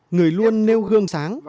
người luôn nêu gương sáng